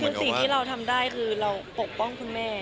สิ่งที่เราทำได้คือเราปกป้องคุณแม่